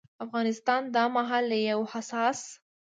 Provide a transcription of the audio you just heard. افغانستان دا مهال له يو حساس